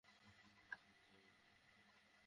আমার হাতের দিকে তাকাও।